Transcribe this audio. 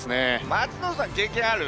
松野さん経験ある？